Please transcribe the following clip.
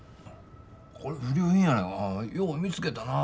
これ不良品やないかよう見つけたな。